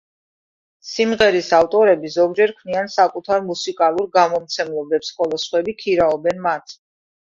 სიმღერის ავტორები ზოგჯერ ქმნიან საკუთარ მუსიკალურ გამომცემლობებს, ხოლო სხვები ქირაობენ მათ.